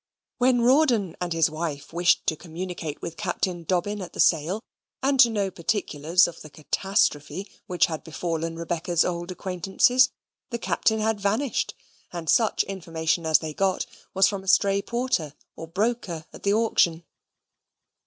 When Rawdon and his wife wished to communicate with Captain Dobbin at the sale, and to know particulars of the catastrophe which had befallen Rebecca's old acquaintances, the Captain had vanished; and such information as they got was from a stray porter or broker at the auction.